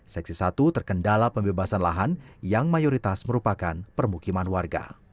seksi satu terkendala pembebasan lahan yang mayoritas merupakan permukiman warga